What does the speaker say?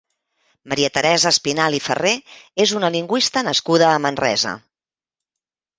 Maria Teresa Espinal i Farré és una lingüista nascuda a Manresa.